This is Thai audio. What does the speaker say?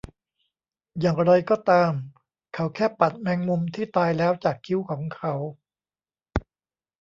อย่างไรก็ตาม เขาแค่ปัดแมงมุมที่ตายแล้วจากคิ้วของเขา